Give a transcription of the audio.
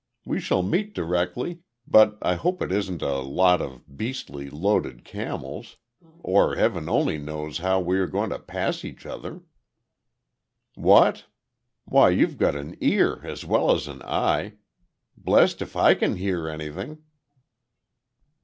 We shall meet directly, but I hope it isn't a lot of beastly loaded camels, or Heaven only knows how we are going to pass each other." "What? Why you've got an ear as well as an eye. Blest if I can hear anything."